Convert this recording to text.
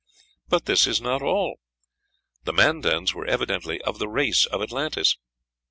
But this is not all. The Mandans were evidently of the race of Atlantis.